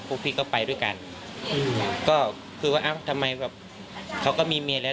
พี่ก็ไปด้วยกันอืมก็คือว่าอ้าวทำไมแบบเขาก็มีเมียแล้ว